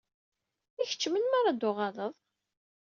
I kečč, melmi ara d-tuɣaleḍ?